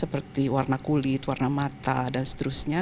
seperti warna kulit warna mata dan seterusnya